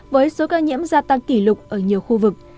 với số ca nhiễm gia tăng kỷ lục ở nhiều khu vực